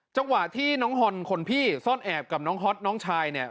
จังหวะที่น้องฮอนคนพี่ซ่อนแอบกับน้องฮอตน้องชายเนี่ย